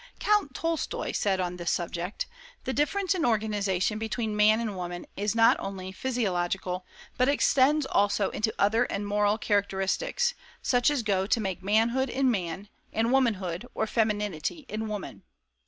Count Tolstoi said on this subject: "The difference in organization between man and woman is not only physiological but extends also into other and moral characteristics, such as go to make manhood in man, and womanhood (or femininity) in woman.